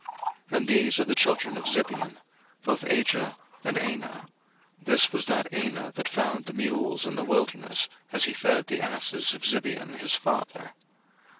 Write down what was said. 01:036:024 And these are the children of Zibeon; both Ajah, and Anah: this was that Anah that found the mules in the wilderness, as he fed the asses of Zibeon his father.